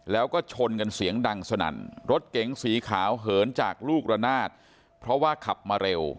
แล้วก็ชนกันเสียงดังสนั่นรถเก๋งสีขาวเหินจากลูกระนาดเพราะว่าขับมาเร็ว